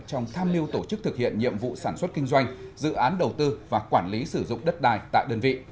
trong tham mưu tổ chức thực hiện nhiệm vụ sản xuất kinh doanh dự án đầu tư và quản lý sử dụng đất đài tại đơn vị